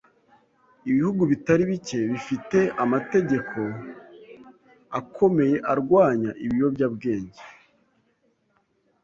Ibihugu bitari bike bifite amategeko akomeye arwanya ibiyobyabwenge.